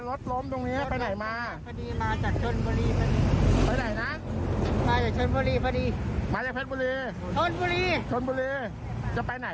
อยู่ขึ้นเหนือพอดีพวกผู้หญิงคนหนึ่งกับผู้ชายคนหนึ่งชนรถเข้าอ่ะ